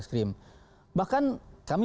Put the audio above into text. skrim bahkan kami